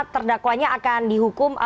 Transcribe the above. terdakwanya akan dihukum